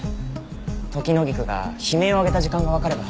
トキノギクが悲鳴を上げた時間がわかれば。